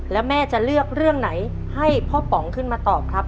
แล้วแม่จะเลือกเรื่องไหนให้พ่อป๋องขึ้นมาตอบครับ